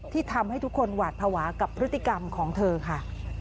ทำให้ทุกคนหวาดภาวะกับพฤติกรรมของเธอค่ะ